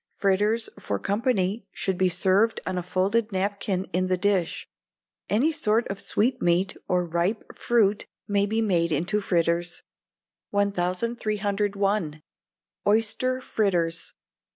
Fritters for company should be served on a folded napkin in the dish. Any sort of sweetmeat, or ripe fruit, may be made into fritters. 1301. Oyster Fritters.